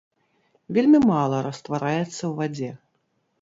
Вельмі мала раствараецца ў вадзе.